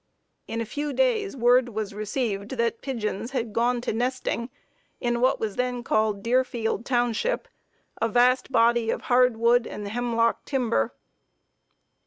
In a few days word was received that pigeons had gone to nesting in what was then called Deerfield Township, a vast body of hardwood and hemlock timber.